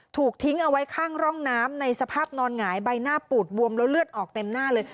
ถูกทิ้งเอาไว้ข้างร่องน้ำในสภาพนอนหงายใบหน้าปูดบวมแล้วเลือดออกเต็มหน้าเลย